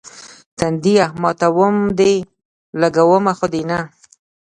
تنديه ماتوم دي، لګومه خو دې نه.